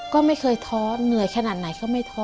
ก็ไม่เคยท้อเหนื่อยขนาดไหนก็ไม่ท้อ